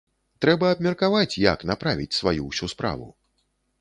Трэба абмеркаваць, як направіць сваю ўсю справу.